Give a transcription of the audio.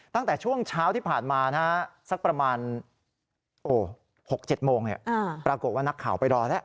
ตั้งแต่ช่วงเช้าที่ผ่านมาสักประมาณ๖๗โมงปรากฏว่านักข่าวไปรอแล้ว